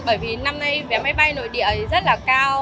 bởi vì năm nay vé máy bay nội địa rất là cao